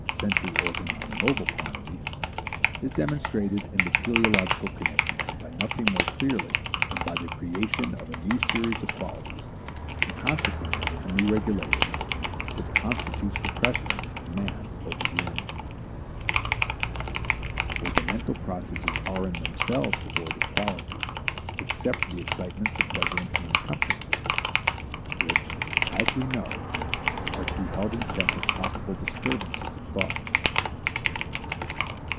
sensory organ on the mobile quantity, is demonstrated in the teleological connection by nothing more clearly than by the creation of a new series of qualities and consequently a new regulation which constitutes the precedence of man over the animals. For the mental processes are in themselves devoid of quality except for the excitements of pleasure and pain accompanying them, which, as we know, are to be held in check as possible disturbances of thought.